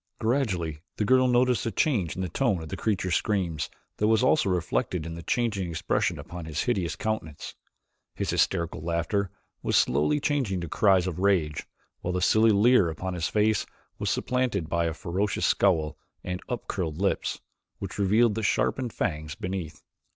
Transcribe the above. Gradually the girl noticed a change in the tone of the creature's screams that was also reflected in the changing expression upon his hideous countenance. His hysterical laughter was slowly changing into cries of rage while the silly leer upon his face was supplanted by a ferocious scowl and up curled lips, which revealed the sharpened fangs beneath.